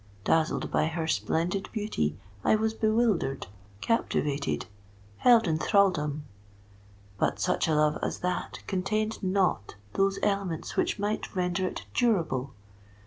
Dazzled by her splendid beauty, I was bewildered—captivated—held in thraldom: but such a love as that contained not those elements which might render it durable.